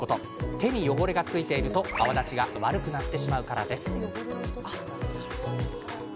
手に汚れが付いていると泡立ちが悪くなってしまうからです。